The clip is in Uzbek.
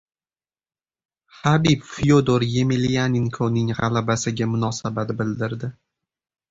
Habib Fyodor Yemelyanenkoning g‘alabasiga munosabat bildirdi